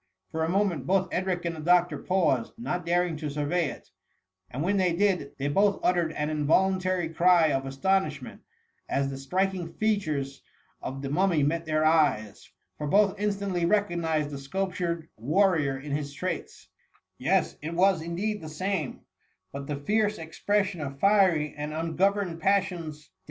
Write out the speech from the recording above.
For a moment, both Edric and the doctor paused, not daring to survey it ; and when they did, they both uttered an involuntary cry of astonishment, as the striking features of the mummy met their eyes, for both instantly re cognized the sculptured warrior in his traits^ Yes, it was indeed the same, but the fierce e\T pression of fiery and ungoverned passions de THE MUMMY.